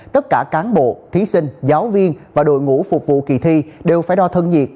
tất cả cán bộ thí sinh giáo viên và đội ngũ phục vụ kỳ thi đều phải đo thân nhiệt